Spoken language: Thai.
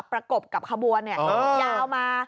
ประกบกับขบวนยาวมา